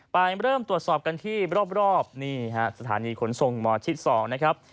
ไปเริ่มตรวจสอบกันที่รอบนี่ฮะสถานีขนส่งหมอชิด๒นะครับ